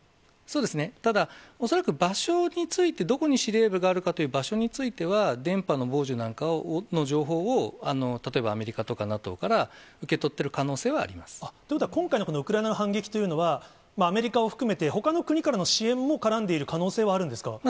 ただ恐らく、場所について、どこに司令部があるかという場所については、電波の傍受なんかの情報を、例えばアメリカとかＮＡＴＯから受け取ってる可能性はあということは今回のこのウクライナの反撃というのは、アメリカを含めて、ほかの国からの支援も絡んでいる可能性はあるんですか？